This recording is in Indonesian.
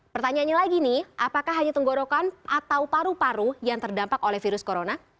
pertanyaannya lagi nih apakah hanya tenggorokan atau paru paru yang terdampak oleh virus corona